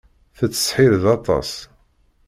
Tettseḥḥireḍ aṭas.